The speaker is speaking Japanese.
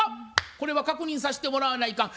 これは確認させてもらわないかん。